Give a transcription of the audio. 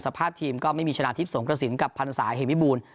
สภาพทีมก็ไม่มีชนะทิพย์สงครสินทร์กับพรรษาเฮมิบูล